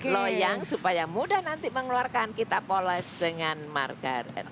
loyang supaya mudah nanti mengeluarkan kita poles dengan margarin